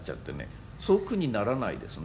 「そう苦にならないですね」